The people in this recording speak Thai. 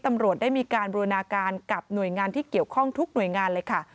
ตำรวจได้มีการบูรณาการกับหน่วยงานที่เกี่ยวข้องทุกหน่วยงานเลยค่ะ